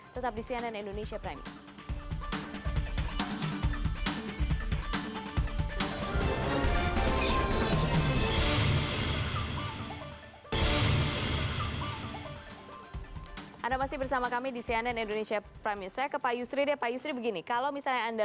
tetap di cnn indonesia prime news